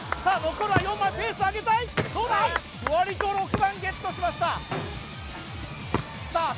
残るは４枚ペースを上げたいどうだフワリと６番ゲットしましたさあ